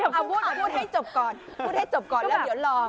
พูดให้จบก่อนพูดให้จบก่อนแล้วเดี๋ยวลอง